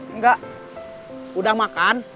enggak udah makan